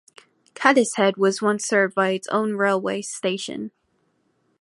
Cadishead was once served by its own railway station.